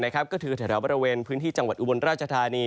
ก็คือแถวบริเวณพื้นที่จังหวัดอุบลราชธานี